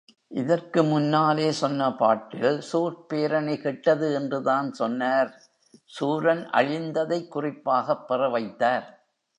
இதற்கு முன்னாலே, சொன்ன பாட்டில், சூர்ப்பேரணி கெட்டது என்றுதான் சொன்னார் சூரன் அழிந்ததைக் குறிப்பாகப் பெற வைத்தார்.